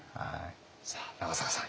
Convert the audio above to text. さあ長坂さん